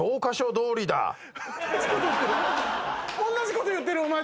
同じ事言ってるお前と。